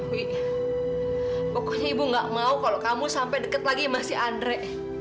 wi pokoknya ibu nggak mau kalau kamu sampai deket lagi sama si andre